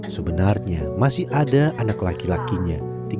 sebenarnya masih ada anak laki lakinya